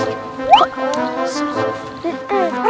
keren kan suar